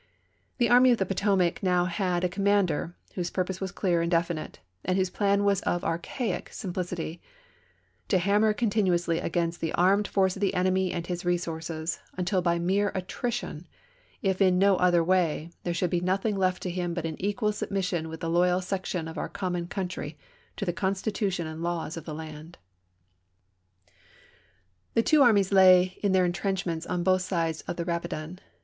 The Army of the Potomac now had a commander, whose purpose was clear and definite, and whose plan was of archaic simplicity, " to hammer continuously against the armed force of the enemy and his resources until by mere attri tion, if in no other way, there should be nothing left to him but an equal submission with the loyal section of our common country to the Constitution and laws of the land." The two armies lay in their intrenchments on both sides of the Rapidan.